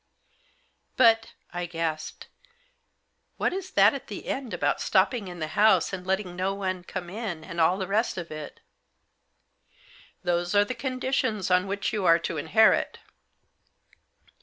"But," I gasped, "what is that at the end about stopping in the house, and letting no one come in, and all the rest of it?" "Those are the conditions on which you are to inherit.